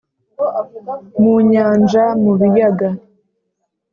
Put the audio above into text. mu nyanja, mu biyaga,